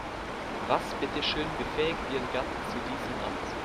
Was bitteschön befähigt ihren Gatten zu diesem Amt?